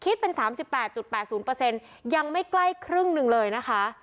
คิดเป็น๓๘๘๐ยังไม่ใกล้ครึ่งหนึ่งเลยนะคะ